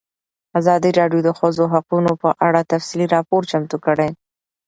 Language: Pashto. ازادي راډیو د د ښځو حقونه په اړه تفصیلي راپور چمتو کړی.